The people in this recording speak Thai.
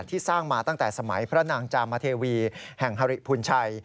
สร้างมาตั้งแต่สมัยพระนางจามเทวีแห่งฮริพุนชัย